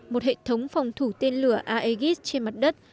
một hệ thống phòng thủ tên lửa aegis trên mặt đất